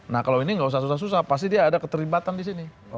nah kalau ini nggak usah susah susah pasti dia ada keterlibatan di sini